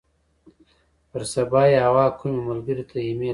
پر سبا یې حوا کومې ملګرې ته ایمیل وکړ.